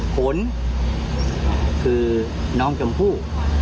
ผลคือน้องชมพู่